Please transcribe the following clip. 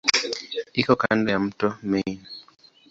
Iko kando ya mto Main.